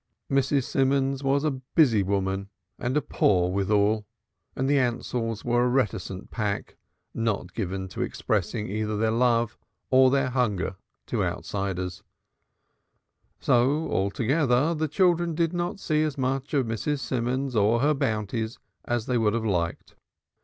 Mrs. Simons was a busy woman and a poor withal, and the Ansells were a reticent pack, not given to expressing either their love or their hunger to outsiders; so altogether the children did not see so much of Mrs. Simons or her bounties as they would have liked.